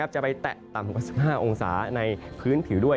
จะไปแตะต่ำกว่า๑๕องศาในพื้นผิวด้วย